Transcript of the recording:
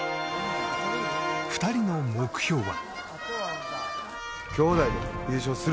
２人の目標は。